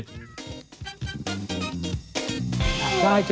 สวัสดีค่ะ